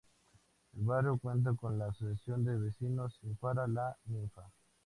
El barrio cuenta con la asociación de vecinos Ifara-La Ninfa.